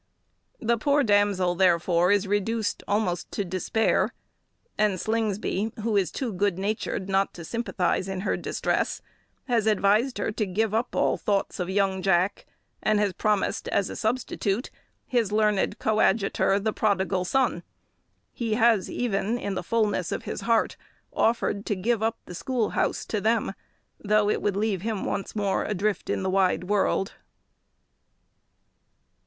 The poor damsel, therefore, is reduced almost to despair; and Slingsby, who is too good natured not to sympathise in her distress, has advised her to give up all thoughts of young Jack, and has promised as a substitute his learned coadjutor, the prodigal son. He has even, in the fulness of his heart, offered to give up the school house to them, though it would leave him once more adrift in the wide world.